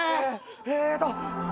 えーっと。